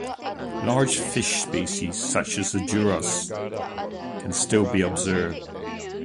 Larger fish species such as the dourados can still be observed.